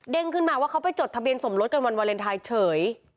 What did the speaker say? ขึ้นมาว่าเขาไปจดทะเบียนสมรสกันวันวาเลนไทยเฉย